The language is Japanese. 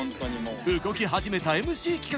動き始めたＭＣ企画。